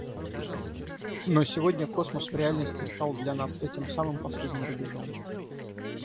Но сегодня космос в реальности стал для нас этим самым последним рубежом.